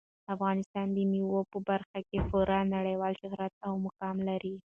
افغانستان د مېوو په برخه کې پوره نړیوال شهرت او مقام لري.